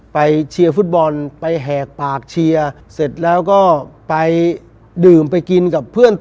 เชียร์ฟุตบอลไปแหกปากเชียร์เสร็จแล้วก็ไปดื่มไปกินกับเพื่อน